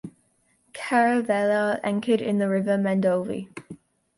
Caravela, anchored in the River Mandovi.